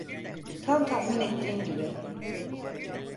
Tam tahmin ettiğim gibi.